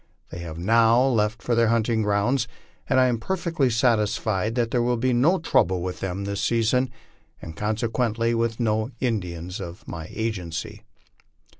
They have now left for their hunting grounds, and / am perfectly satisfied that there will be no trouble with them liw season, and consequently with no Indians of my agency.